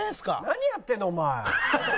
何やってんだお前。